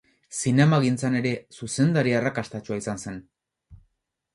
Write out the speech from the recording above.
Zinemagintzan ere zuzendari arrakastatsua izan zen.